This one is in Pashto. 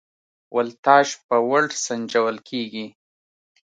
ولتاژ په ولټ سنجول کېږي.